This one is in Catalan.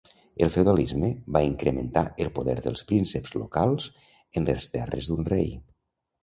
El feudalisme va incrementar el poder dels prínceps locals en les terres d'un rei.